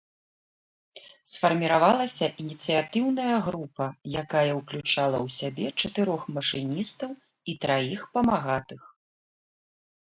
Сфармавалася ініцыятыўная група, якая ўключала ў сябе чатырох машыністаў і траіх памагатых.